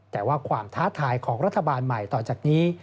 แต่ว่าความท้าทายของรัฐบาลใหม่ต่อจากนี้